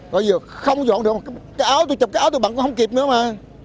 rồi giờ không dọn được cái áo tôi chụp cái áo tôi bận cũng không kịp nữa mà